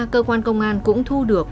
cơ quan công an cũng thu được